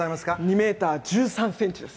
２ｍ１３ｃｍです。